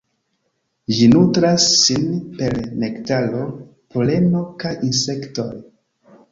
Ĝi nutras sin per nektaro, poleno kaj insektoj.